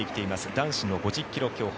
男子の５０ｋｍ競歩。